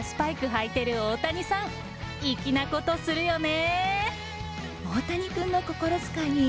履いてる大谷さん、粋なことするよねー。